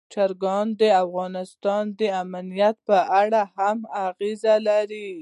چرګان د افغانستان د امنیت په اړه هم اغېز لري.